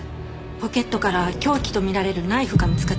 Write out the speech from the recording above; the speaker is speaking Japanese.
ポケットから凶器と見られるナイフが見つかってます。